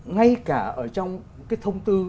ngay cả ở trong cái thông tư